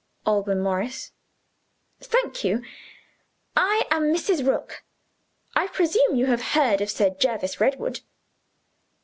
"Alban Morris." "Thank you. I am Mrs. Rook. I presume you have heard of Sir Jervis Redwood?"